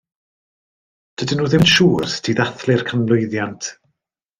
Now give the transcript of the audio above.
Dydyn nhw ddim yn siŵr sut i ddathlu'r canmlwyddiant.